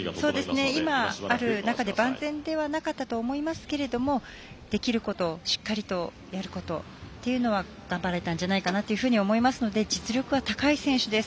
今ある中で万全ではなかったと思いますけどできることをしっかりとやることは頑張れたんじゃないかなというふうに思いますので実力は高い選手です。